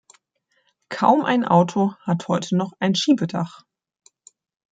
Kaum ein Auto hat heute noch ein Schiebedach.